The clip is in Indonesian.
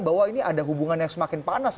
bahwa ini ada hubungan yang semakin panas